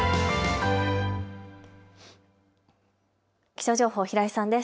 気象情報、平井さんです。